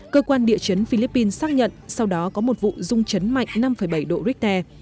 cơ quan địa chấn philippines xác nhận sau đó có một vụ rung chấn mạnh năm bảy độ richter